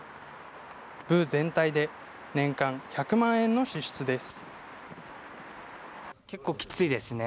部全体で年間１００万円の支出です。